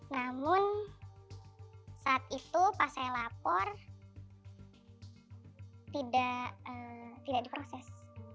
namun saat itu pas saya lapor tidak diproses